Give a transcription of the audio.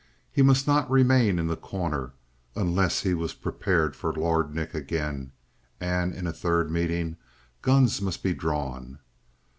He must not remain in The Corner unless he was prepared for Lord Nick again: and in a third meeting guns must be drawn.